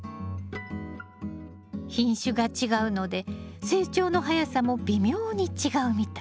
品種が違うので成長の早さも微妙に違うみたい。